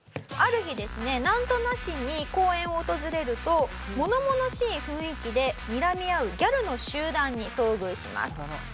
ある日ですねなんとなしに公園を訪れると物々しい雰囲気でにらみ合うギャルの集団に遭遇します。